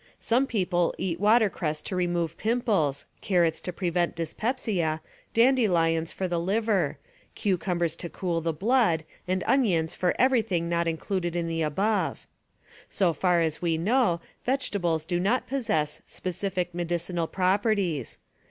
Some people eat watercress to remove pimples; carrots to prevent dyspepsia; dandelions for the liver; cucumbers to cool the blood and onions for everything not included in the above. So far as we know, vegetables do not possess specific medicinal properties.